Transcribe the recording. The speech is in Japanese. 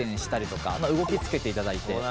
動きつけていただいて。